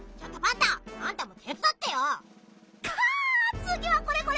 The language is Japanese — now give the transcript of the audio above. つぎはこれこれ！